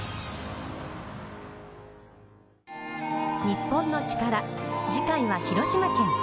『日本のチカラ』次回は広島県。